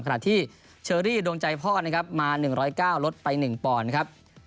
ขณะที่เชอรี่ดวงใจพ่อนะครับมา๑๐๙ลดไป๑ปอนด์ครับ